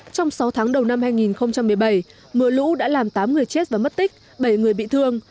trong sáu tháng đầu năm hai nghìn một mươi bảy mưa lũ đã làm tám người chết và mất tích bảy người bị thương